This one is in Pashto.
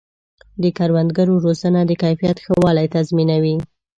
د کروندګرو روزنه د کیفیت ښه والی تضمینوي.